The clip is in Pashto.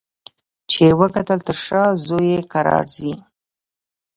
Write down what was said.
چي یې وکتل تر شا زوی یې کرار ځي